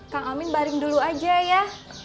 kak amin bareng dulu aja ya